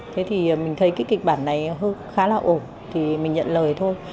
thế thì mình thấy cái kịch bản này khá là ổn thì mình nhận lời thôi